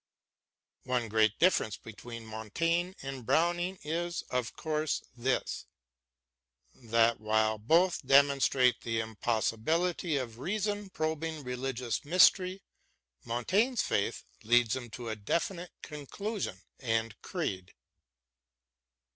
One great difference between Montaigne and Browning is, of course, this : that while both demonstrate the impossibility of reason probing religious mystery, Montaigne's /a/^A leads him to a definite conclusion and creed.